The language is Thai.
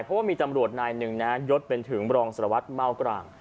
เพราะว่ามีตำรวจนายหนึ่งนะยศเป็นถึงรองสารวัตรเมากร่าง